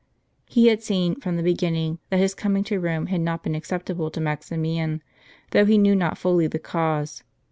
He had seen, from the beginning, that his com ing to Rome had not been acceptable to Maximian, though he knew not fully the cause.